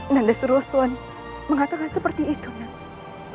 nanda seru suan mengatakan seperti itu nanda